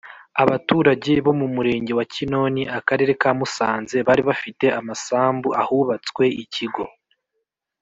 Abaturage bo mu murenge wa kinoni akarere ka musanze bari bafite amasambu ahubatswe ikigo